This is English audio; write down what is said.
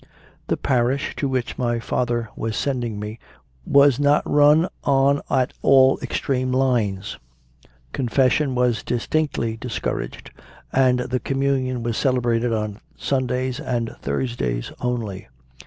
The parish to which my father was sending me was not run on at all extreme lines. Confession was distinctly discouraged and the Communion was celebrated on Sundays and Thursdays only.